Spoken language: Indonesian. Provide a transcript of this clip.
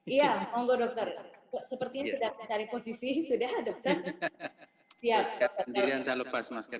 iya monggo dokter sepertinya sudah mencari posisi sudah dokter